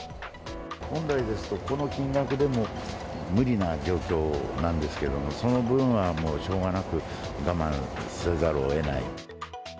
本来ですと、この金額でも無理な状況なんですけども、その分はもうしょうがなく、我慢せざるをえない。